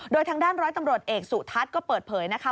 โดยทางด้านร้อยตำรวจเอกสุทัศน์ก็เปิดเผยนะคะ